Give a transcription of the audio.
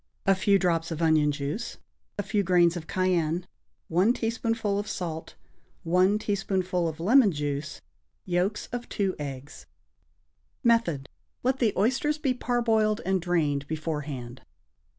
A few drops of onion juice. A few grains of cayenne. 1 teaspoonful of salt. 1 teaspoonful of lemon juice. Yolks of 2 eggs. Method. Let the oysters be parboiled and drained beforehand.